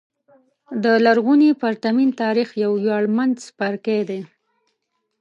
د لرغوني پرتمین تاریخ یو ویاړمن څپرکی دی.